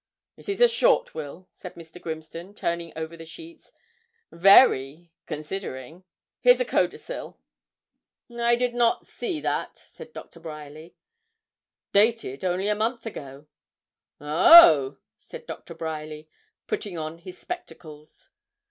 'It's a short will,' said Mr. Grimston, turning over the sheets 'very considering. Here's a codicil.' 'I did not see that,' said Doctor Bryerly. 'Dated only a month ago.' 'Oh!' said Doctor Bryerly, putting on his spectacles.